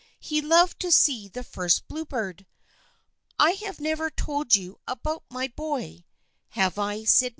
He loved to see the first bluebird. I have never told you about my boy, have I, Sydney